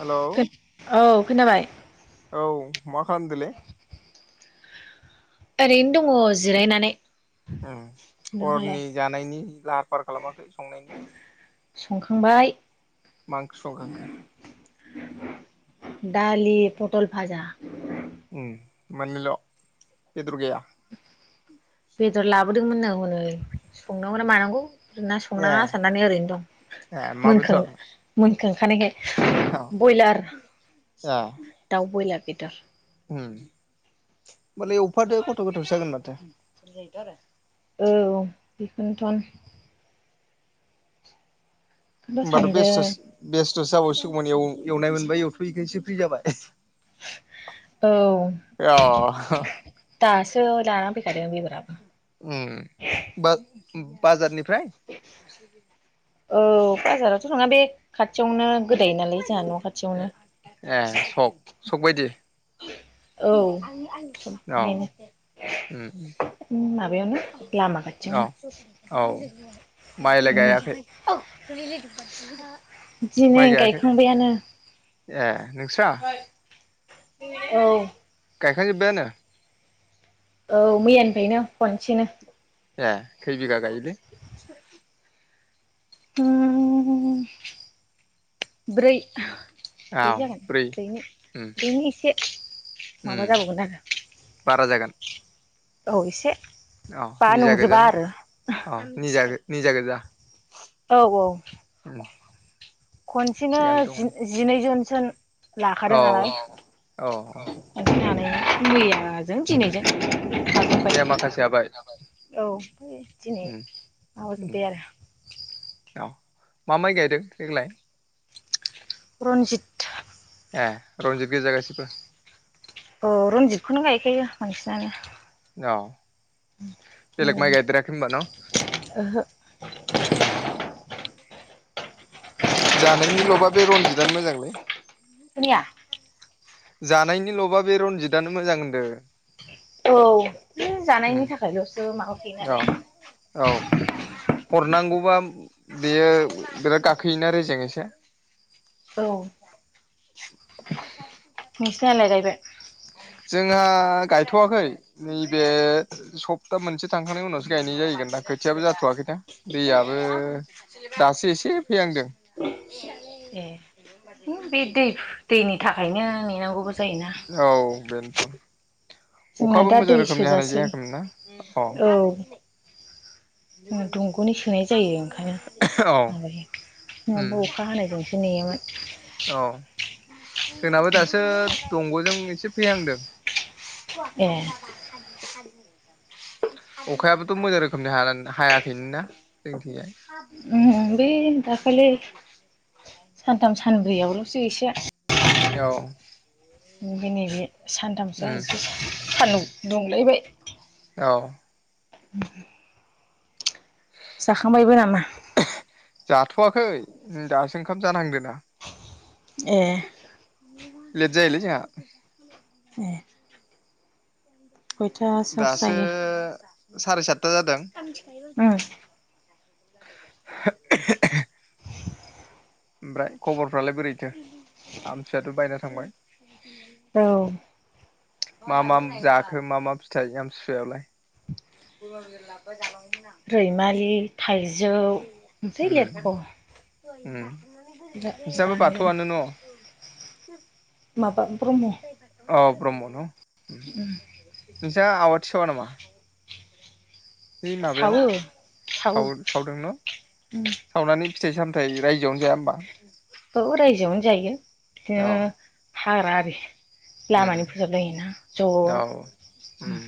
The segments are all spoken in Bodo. हेलौ औ खोनाबाय औ मा खालामदों लै ओरैनो दङ जिरायनानै नोंहालाय हरनि जानायनि लाहार फाहार खालामाखै संनायनि संखांबाय मा ओंख्रि संखांखो दालि पटल भाजा उम मोननैल' बेदर गैया बेदर लाबोदोंमोन नो हनै संनांगौ ना मानांगौ ना ए संनाङा साननानै ओरैनो दं मा मोनखां बेदर मोनखां खानायखाय औ ब्रयलार ए दाउ ब्रयलार बेदर उम होमबालाय एवखादो खदथ' गोथावसो जागोन माथो जागोन दं आरो औ बेखौनोथ' बेखौनोथ' होनोमबाथ' सानदों बेस्थ' बेस्थ'सो जाबावसिगौमोन एव एवनाय मोनबा एवथ'यैखायसो फ्रि जाबाय औ अ दासो सफै खादों बेदरा उ बाजार बाजारनिफ्राय औ बाजारावथ' थांआखै खाथियावनो गोदायो नालाय जाहानि न' खाथियावनो ए सक सक बायदि औ सब औ बेहायनो उम बेयावनो लामा औ खाथियावनो औ माइ लाय आंना गायाखै दिनै गायखांबायानो ए नोंस्रा औ गायखां जोबबायानो औ मैयानिफ्रायनो खनसेनो ए खै बिघा गायखो ओ ब्रै औ ब्रै जागोन ब्रै ब्रैनो ब्रैनि एसे ओ माबा जाबावगोन आरो बारा जागोन औ एसे अ बा निजा गोजा नंजोबा न आरो अ निजा निजा गोजा औ औ [unintelligible] [inaudible] खनसेनो थिगानो दं जि जिनै जनसो औ लाखादों नालाय औ होननानै मैयाजों दिनैजों लाजोब्बाय मैया माखासे हाबाय औ दिनै उम उम माबाजोब्बाय आरो औ मा माइ गायदों देग्लाय रनजित ऐ रनजित गोजा गासिबो। औ रनजितखौनो गायखायो बांसिनानो। न' बेलग माइ गायदेराखै होनबा न'? ओहो उम जानायनि लबा बे रनजितआनो मोजांलै। खोनाया जानायनि लबा बे रनजितआनो मोजां होनदो। औ नै जानायनि थाखाय लसो माबाखायो औ नालाय। औ। हरनांगौबा बेयो बिराद गाखोयोना रेजें एसे? औ। [inaudible] नोंसिनालाय गायबाय? जोंहा गायथ'वाखै नैबे सप्ता मोनसे थांखांनायनि उनावसो गायनाय जायैगोन दां। खोथियाबो जाथ'वाखैना दैयाबो दासो एसे फैहांदों। [unintelligible] ए, है बे दै दैनि थाखायनो नेनांगौबो जायोना। औ बेनोथ' जोंना अखाबो दा दै मोजां रोखोमनि हानाय सोजासै, जायाखैमोन ना अ औ। जोङो दंग'नि सोनाय जायो ओंखायनो औ माबायो नङाबा उम अखा हानायजोंसो नेयोमोन। औ जोंनाबो दासो दंग'जों एसे फैहांदों। ए अखायाबोथ' मोजां रोखोमनि हाया हायाखैनोना जोंनिथिंजाय। उम बै दाखालि सानथाम सानब्रै आवल'सो एसे औ। ओमफाय नैबे सानथामसोआ उम एसे सानदुं दुंलायबाय। औ। हम। जाखांबायबो नामा? जाथ'वाखै दासो ओंखाम जानहांदों ना। ए। लेथ जायोलै जोंहा। ए। खयथासोआवसो दासो जायो साराय सातथा जादों। उम ओमफ्राय खबरफ्रालाय बोरैथो आमसि आथ' बायना थांबाय। औ। मा मा जाखो मा मा फिथाइ आमसि सुवायावलाय? रैमालि, थाइजौ, ओमफाय उम लेरख'। उम नोंसिनाबो जानो गोनां बाथौआनो न'? माबा ब्रह्म। अह ब्रह्म न'? उम। नोंसा आवाथि सावा नामा? बै माबायाव सावो सावो साव-सावदों न' सावनानै फिथाइ सामथाइ रायजोयावनो जाया होमबा? औ रायजोयावनो जायो औ बिदिनो हाग्रा आरि उम लामानि फोसाबलायो ना औ ज' उम।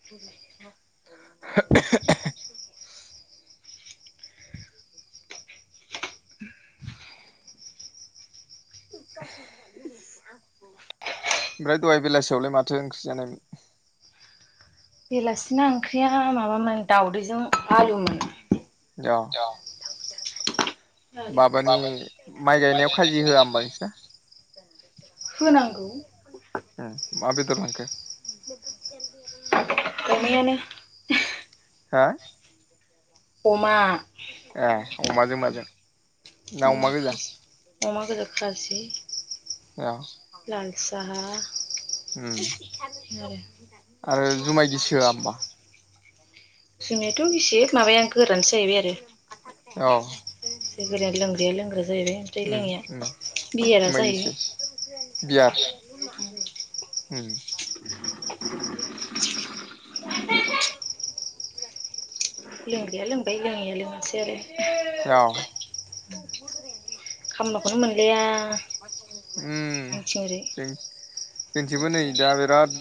[unintelligible] [unintelligible] ओमफ्राय दहाय बेलासियावलाय माथो ओंख्रि जानायमोन? बेलासिना ओंख्रिया माबामोन दावदैजों आलु मोन। [unintelligible] माबानि माइ गायनायाव खाजि होआ होमबा नोंसिना? [unintelligible] होनांगौ मा बेदर लांखो अमायानो हो अमा ए अमाजों माजों ना अमा गोजा अमा गोजा खाजि‌ औ लाल साहा आरो आरो जुमाय गिसि होआ होम्बा [inaudible] जाहैबाय औ जों गोरान लोंग्राया लोंग्रा जाहैबाय ओमफ्राय उम उम लोंयिआ बियारा जुमाय गिसि जाहैबाय [inaudible] ओम लोंग्राया‌ लोंबाय लोङैया लोंआसै आरो औ [inaudible] खामलाखौनो मोनलाया जोंनिथिंहरै जोंनिथिंबो नै दा बिराद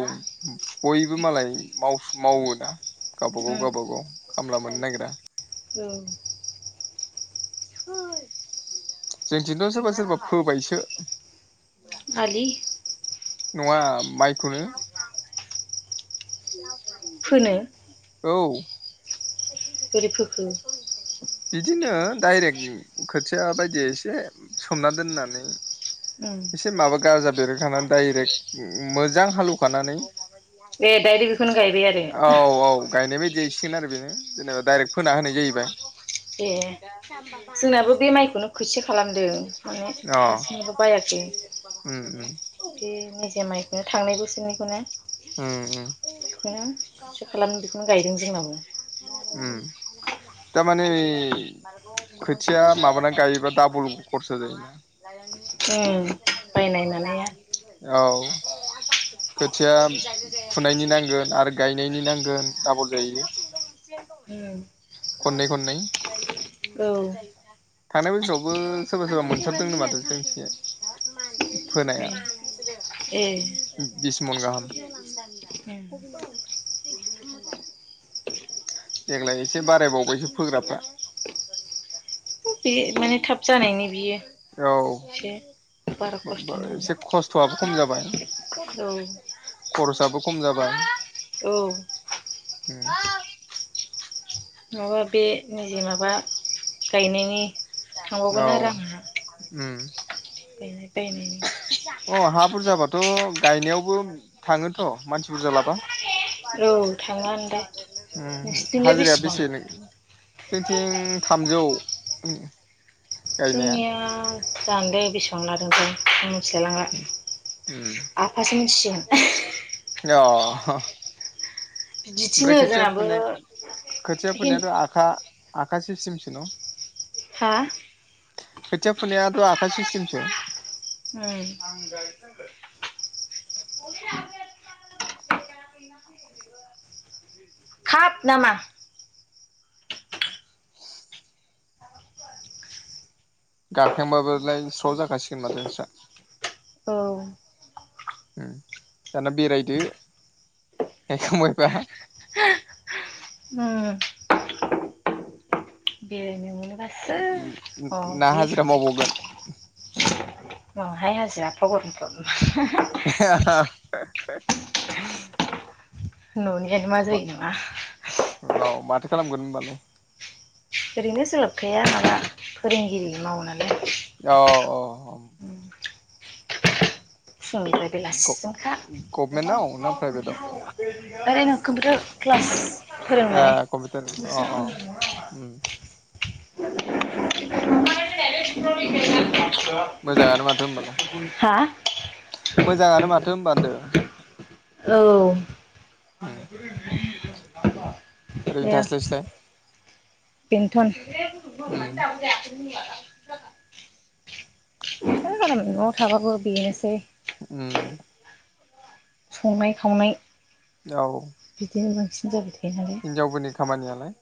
[inaudible] बयबो मालाय माव मावो ना गावबागाव - उम गावबागाव खामला मोननो नागिरा औ जोंनिथिं थ' सोरबा- सोरबा फोबायसो आलि नङा मायखौनो फोनो औ बोरै फोखो बिदिनो दायरेक्ट खोथिया बायदि एसे सोमना दोननानै उम एसे माबा गाजा बेरहोखानानै दायरेक्ट मोजां हालौखानानै औ ए डाइरेक्ट बेखौनो गायबाय आरो - औ गायनाय बायदि आरो बेनो जेनेबा दायरेक्ट फोना होनाय जाहैबाय ए जोंनाबो बे माइखौनो खोथिया खालामदों माने हारसिंनिखौ [unintelligible] अ बायाखै ओम बे निजे माइखौनो थांनाय -ओम बोसोरनिखौनो -ओम बेखौनो खोथिया खालामनो बेखौनो गायदों जोंनाबो उम दा‌ मानै खोथिया माबाना गायोब्ला डाबुल खरसा जायो उम बायनाय मानाया औ खोथिया फुनायनि नांगोन आरो गायनायनि नांगोन डाबूल जाहैयो उम खननै - खननै औ थांनाय बोसोरावबो सोरबा - सोरबा मोनसाबदोंनो माथो जोंनिथिंजाय फोनाया ए ए बिस मन गाहाम [inaudible] उम देग्लाय एसे बारायबावबायसो बे माने थाब जानायनि बियो फोग्राफ्रा औ एसे बारा खस्थ' नाङो एसे खस्थ'आबो खम जाबाय औ खरसआबो खम जाबाय औ ओम नङाबा बे निजे माबा गायनायनि औ थांबावगोन आरो आंहा उम अ [unintelligible] हा बुरजाबाथ' गायनायावबो थाङोथ' मानसि बुरजा लाबा औ थाङा ओनलाय [unintelligible] नोंसिनिथिंलाय हाज्रिया बेसेबां बिसे न जोंथिं थामजौ। गायनाया जोंनिया जानलै बेसेबां लादोंथाय? मिथिलायङला उम आफासो मिनथिसिगोन। अ। बिदिनो ओमफ्राय खोथिया जोंहाबो फोन खोथिया हिन फोननायायाथ' आखा आखासि सिसथेमसोनो हा खोथिया फुनायाथ' आखाइ सिस्टेमसो उम [inaudible] खाब नामा गाखेंबाबोलाय स्रो' जाखासिगोन माथो नोंस्रा औ दाना बेरायदो [unintelligible] उम बिरनो मोनोबासो ना हाजिरा मावबावगोन [unintelligible] नांआहाय हाजिरा एफ्रा गोरोमफ्राव [inaudible] न'नियानो मा जायो नामा औ माथो खालामगोन होनबालाय ओरैनो सोलाोबखाया माबा फोरोंगिरि मावोनालाय अ अ उम फुंनिफ्राय बेलासिजोंखा गभमेन्टआव ना प्राइभेटाव आरैनो कंप्यूटर क्लास फोरोंङो ए माने कम्पिउटार अ गोस [unintelligible] अ उम स बि [unintelligible] मोजाङानो माथो होनोमबालाय मोजाङानो माथो होनबा होनदों औ [inaudible] उम ओरैनो थास्लायस्लाय पिथन उम । न'आव थाबाबो बेनोसै उम संनाय खावनाय औ बिदिनो बांसिन जाबाय थायो हिनजावफोरनि खामानियालाय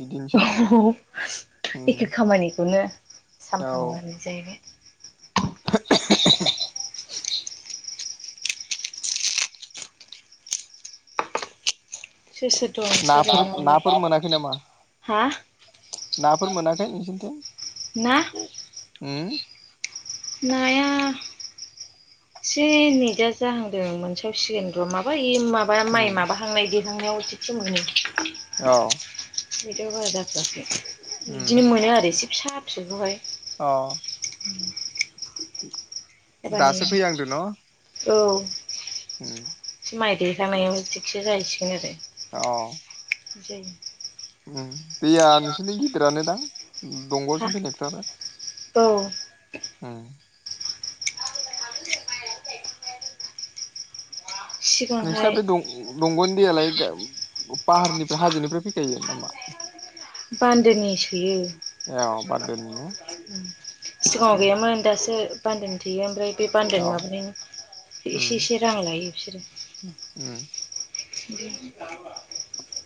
बिदिनोसै [inaudible] उम एखे खामानिखौनो औ सानफ्रामबोानाय होनाय जाहैबाय [unintelligible] सोर सोर दं नोंसोर नाफोर ओरैनोलाय नाफोर मोनाखै नामा हा नाफोर मोनाखै नोंसोरनिथिं? ना उम नाया एसे नेदा जाहांदों मोनसेावसिगोन र' माबाय माबा उम माइ माबाहांनाय देहांनायाव बोथिसे मोनो। औ। बेदि ब जा जआाखै उम बिदिनो मोनो आरो एसे फिसा फिसौखौहाय अ [inaudible] एबानो दासो फैहांदो न'। औ उम माइ देरहांनायाव थिगसो जाहैसिगोन आरो। अ जायो। उम दैया नोंसोरनिथिं गिदिरानो दां हा दंग'जों फैनायफ्राबो? औ उम नोंसिना सिगांहाय बे दं दंग'नि दैयालाय गाय पाहारनिफ्राय हाजोनिफ्राय फैखायो नामा? [inaudible] बान्दोनि सोयो। एव बान्दोनि ना? सिगाङाव गैयामोन दासो बान्दो थेयो ओमफ्राय बे बान्दोनि माबानायनि उम एसे एसे रां लायो बिसोरो उम [inaudible]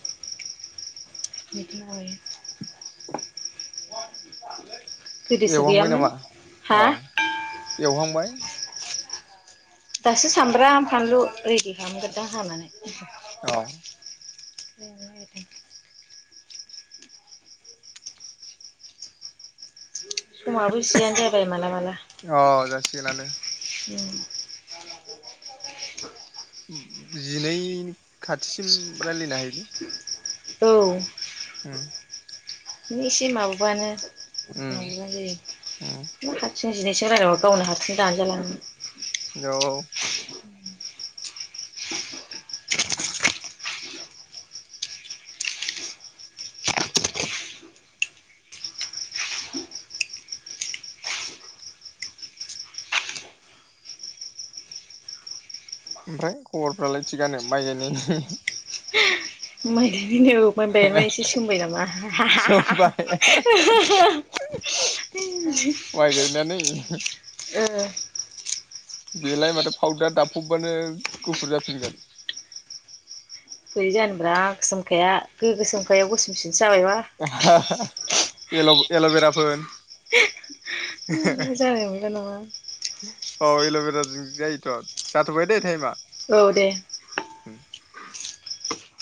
[inaudible] गोदोसो एवहांबाय गैयामोन नामा हा औ एवहांबाय? दासो सामब्रा फानलु रेडि खालामगोरदां हानानै अ [inaudible] समाबो जियानो जाबाय माला माला अ जासिगोनानो उम जिनै खाथिसिम रायलायनो हायोलै औ उम नो इसे माबाबानो उम नुबानो उम जायो हारसिं जिनैसो रायलायहर गावनो हारसिं दानजा जालाङो। औ ओमफ्राय खबरफ्रालाय थिगानो माइ गायनायनि? माइ गायनायनि औ ओमफाय बेमा एसे सोमबाय नामा। सोमबाय माइ गायनानै ओ बेलाय माथो पावदार दाबफबबानो गुफुर जाफिनगोन। बोरै जानोब्रा गोसोमखाया गो गोसोमखाया गोसोमसिन एल' एल'भेरा फोन। [unintelligible] जानाय नंला नामा? अ एल'भेराजों जायोथ' जाथ'बाय दैे टाइमा। औ दे। उम